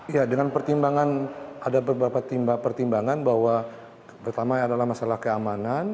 ya dengan pertimbangan ada beberapa pertimbangan bahwa pertama adalah masalah keamanan